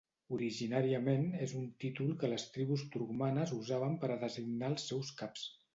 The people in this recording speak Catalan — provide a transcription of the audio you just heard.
Originàriament és un títol que les tribus turcmanes usaven per a designar els seus caps.